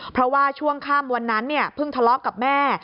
เพราะว่าช่วงค่ำวันนั้นเพิ่งทะเลาะกับแม่